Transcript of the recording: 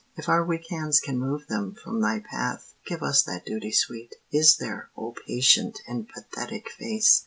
If our weak hands can move them from Thy path, Give us that duty sweet. Is there, O patient and pathetic Face!